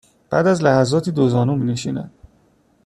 بعد از لحظاتی دو زانو می نشینند